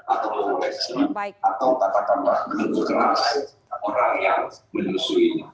atau memulai sesuai atau menukar orang yang menusuinya